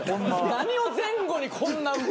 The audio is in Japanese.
何を前後にこんな動いて。